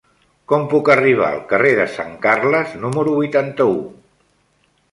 Com puc arribar al carrer de Sant Carles número vuitanta-u?